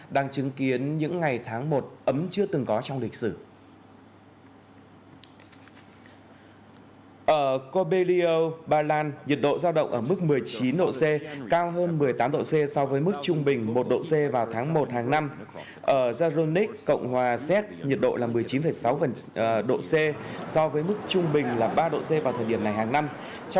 đang chứng kiến những ngày tháng một ấm chưa từng có trong lịch sử